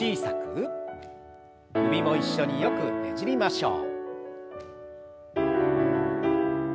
首も一緒によくねじりましょう。